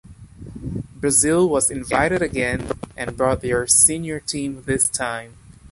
Brazil was invited again, and brought their senior team this time.